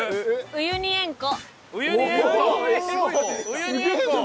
ウユニ塩湖。